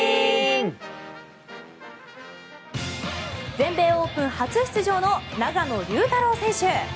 全米オープン初出場の永野竜太郎選手。